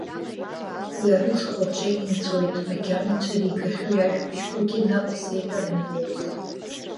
Уи арыцхә аҿы инҵәоит макьана ицәыригахьоу иажәабжьқәагьы, наҟ исеиҳәаран иҟоузеи?